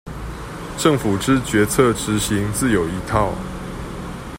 政府之決策執行自有一套